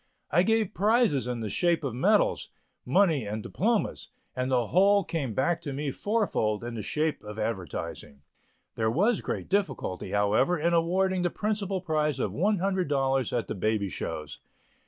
I gave prizes in the shape of medals, money and diplomas and the whole came back to me four fold in the shape of advertising. There was great difficulty, however, in awarding the [Illustration: SQUALLS AND BREEZES.] principal prize of $100 at the baby shows.